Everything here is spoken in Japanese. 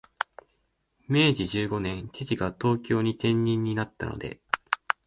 明治十五年、父が東京に転任になったので、